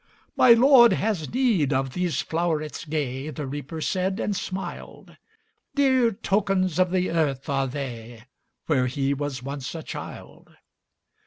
``My Lord has need of these flowerets gay,'' The Reaper said, and smiled; ``Dear tokens of the earth are they, Where he was once a child.